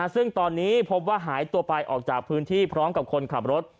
ซึ่งตอนนี้พบว่าหายตัวไปออกจากพื้นที่พร้อมกับคนขับรถ